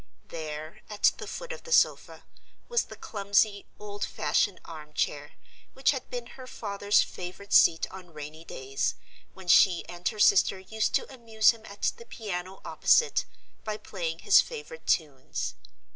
There, at the foot of the sofa, was the clumsy, old fashioned arm chair, which had been her father's favorite seat on rainy days, when she and her sister used to amuse him at the piano opposite, by playing his favorite tunes.